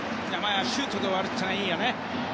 シュートで終わるのはいいよね！